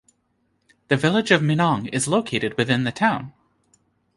The Village of Minong is located within the town.